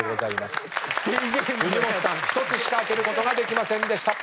藤本さん１つしか開けることできませんでした。